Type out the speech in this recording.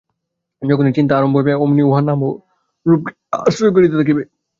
যখনই চিন্তা আরম্ভ হইবে, অমনি উহা নাম ও রূপকে আশ্রয় করিতে থাকিবে।